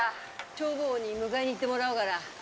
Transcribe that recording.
消防に迎えに行ってもらうがら。